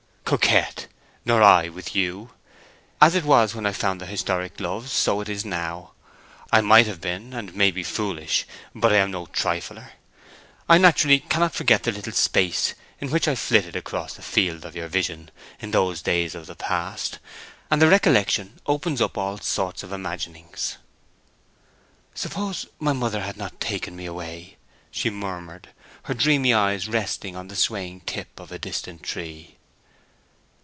"Coquet! Nor I with you. As it was when I found the historic gloves, so it is now. I might have been and may be foolish; but I am no trifler. I naturally cannot forget that little space in which I flitted across the field of your vision in those days of the past, and the recollection opens up all sorts of imaginings." "Suppose my mother had not taken me away?" she murmured, her dreamy eyes resting on the swaying tip of a distant tree.